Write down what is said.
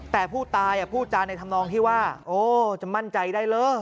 แต่ผู้ตายพูดจานในธรรมนองที่ว่าโอ้จะมั่นใจได้เหรอ